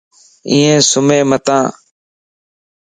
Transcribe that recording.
اي سمين متان